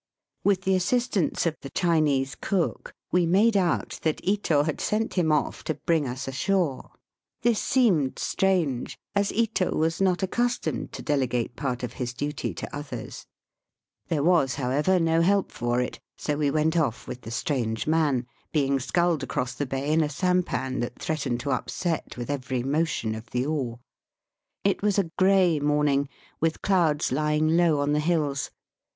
With the assistance of the Chinese cook we made out that Ito had sent him off to bring us ashore. This seemed strange, as Ito was not accustomed to delegate part of his duty to others. There was, however, no help Digitized by VjOOQIC BY SEA AND LAND TO KIOTO. 61 for it, SO we went oflF with the strange man, being sculled across the bay in a sampan that threatened to upset with every motion of the oar. It was a grey morning with clouds lying low on the hills.